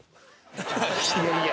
いやいや。